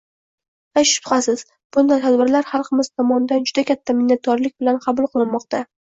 Hech shubhasiz, bunday tadbirlar xalqimiz tomonidan juda katta minnatdorlik bilan qabul qilinmoqda